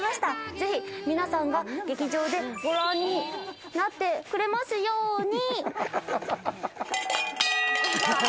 ぜひ皆さん、劇場でご覧になってくれますように。